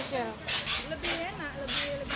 lebih enak lebih renyah